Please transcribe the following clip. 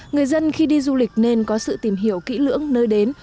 người dân khi đi du lịch nên có sự tìm hiểu kỹ lưỡng nơi đến